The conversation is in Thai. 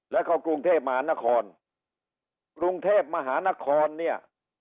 แล้วก็กรุงเทพมหานครกรุงเทพมหานครเนี่ย